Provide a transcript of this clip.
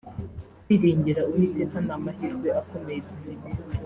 Kwiringira Uwiteka ni amahirwe akomeye dufite